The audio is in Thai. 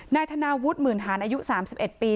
นายธนาวุฒิหมื่นหารอายุ๓๑ปี